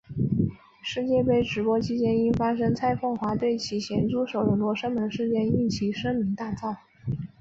世界杯直播期间因发生蔡枫华对其咸猪手的罗生门事件令其声名大噪。